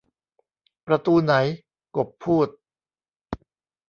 'ประตูไหน ? ' กบพูด